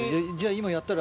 今やったら。